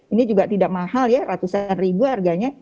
ini juga tidak mahal ya ratusan ribu harganya